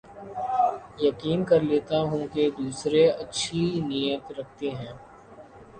یقین کر لیتا ہوں کے دوسرے اچھی نیت رکھتے ہیں